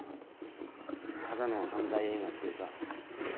ただの犯罪映画っていうか。